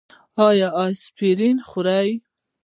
ایا اسپرین خورئ؟